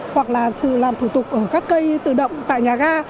hoặc là làm thủ tục ở các cây tự động tại nhà ga